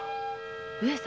上様⁉